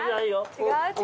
違う？